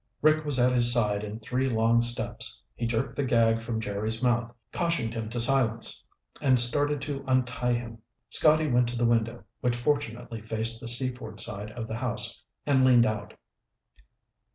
Rick was at his side in three long steps. He jerked the gag from Jerry's mouth, cautioned him to silence, and started to untie him. Scotty went to the window, which fortunately faced the Seaford side of the house, and leaned out.